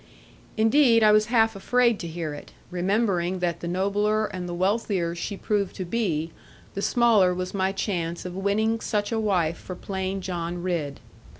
Indeed I was half afraid to hear it, remembering that the nobler and the wealthier she proved to be, the smaller was my chance of winning such a wife for plain John Ridd.